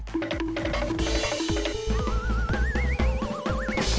kita harus atur atur